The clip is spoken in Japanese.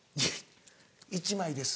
１枚です。